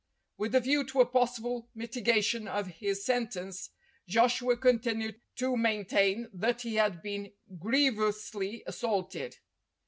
With a view to a possible mitigation of his sentence, Joshua continued to main tain that he had been grievously assaulted.